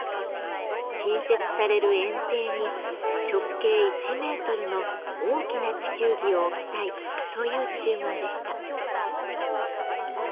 新設される園庭に直径１メートルの大きな地球儀を置きたいという注文でした。